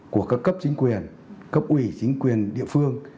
của các cấp chính quyền cấp ủy chính quyền địa phương